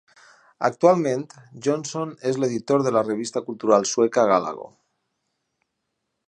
Actualment, Jonsson és l'editor de la revista cultural sueca "Galago".